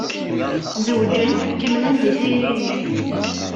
Zewǧen. Kemmlen di tayri-nni.